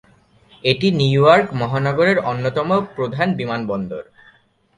এটি New York মহানগরের অন্যতম প্রধান বিমানবন্দর।